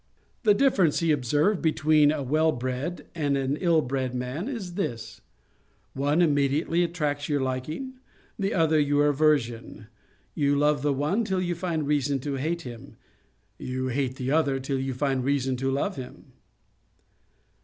The difference, he observed, between a well bred and an ill bred man is this: 'One immediately attracts your liking, the other your aversion. You love the one till you find reason to hate him; you hate the other till you find reason to love him.'